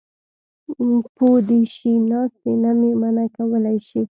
پو دې شي ناستې نه مې منع کولی شي.